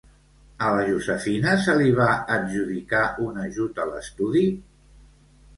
A la Josefina se li va adjudicar un ajut a l'estudi?